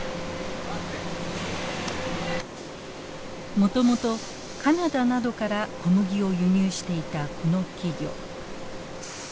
もともとカナダなどから小麦を輸入していたこの企業。